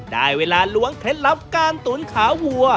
ได้เวลาล้วงเคล็ดลับการตุ๋นขาวัว